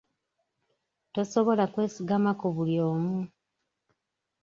Tosobola kwesigama ku buli omu.